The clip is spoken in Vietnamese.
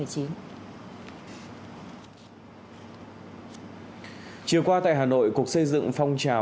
chiều qua tại hà nội cục xây dựng phong trào